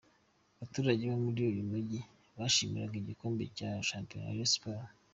baturage bo muri uyu mujyi bishimiraga igikombe cya shampiyona Rayon sport.